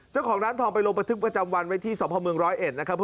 เจ้าของร้านทองไปลงประทึกประจำวันไว้ที่สมพเมือง๑๐๑นะครับ